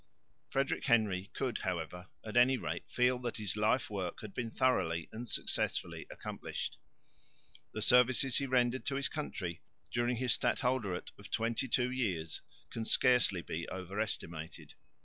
Frederick Henry could, however, at any rate feel that his life work had been thoroughly and successfully accomplished. The services he rendered to his country during his stadholderate of twenty two years can scarcely be over estimated.